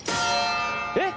えっ！？